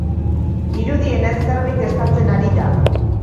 Dirudienez, zerbait estaltzen ari da.